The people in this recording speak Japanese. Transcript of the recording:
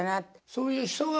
そういう人が。